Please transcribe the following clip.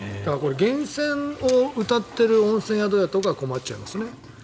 源泉をうたっている温泉宿とかは困っちゃいますね。